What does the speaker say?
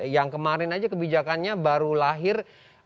yang kemarin aja kebijakannya baru lahir